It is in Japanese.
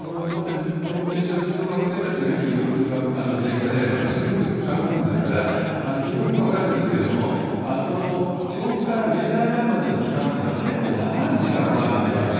この電車、うちの学生たちがよく使う電車で、私もよく使うものですから、非常によく分かるんですけれども、この調布から明大前までの期間っていうのは結構長い時間があるんですよね。